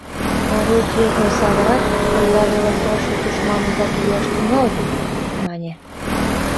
Орудиетым савырат, пурла велым толшо тушман ӱмбак лӱяш тӱҥал!.. — мане.